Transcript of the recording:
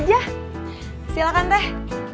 gak ada ruang di tanah